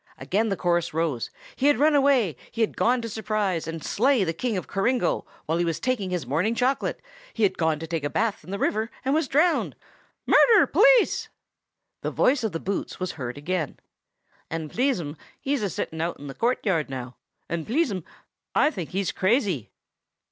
Again the chorus rose: he had run away; he had gone to surprise and slay the King of Coringo while he was taking his morning chocolate; he had gone to take a bath in the river, and was drowned! "Murder! police!" The voice of the Boots was heard again. "And please, 'm, he's a sittin' out in the courtyard now; and please, 'm, I think he's crazy!"